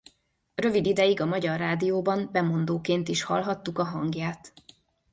Rövid ideig a Magyar Rádióban bemondóként is hallhattuk a hangját.